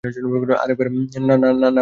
আর এবার, না বলবেন না, মিসেস ম্যাকনালি।